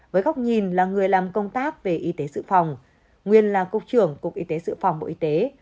với góc nhìn là người làm công tác về y tế sự phòng nguyên là cục trưởng cục y tế sự phòng bộ y tế